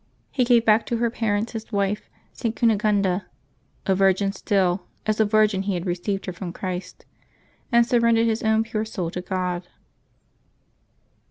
He gave back to her parents his wife, St. Cunegunda, " a virgin still, as a virgin he had received her from Christ,'^ and surrendered his own pure soul to God.